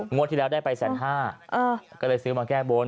งวดที่แล้วได้ไปแสน๕ก็เลยซื้อมาแก้บ้น